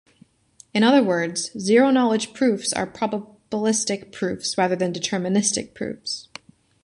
In other words, zero-knowledge proofs are probabilistic "proofs" rather than deterministic proofs.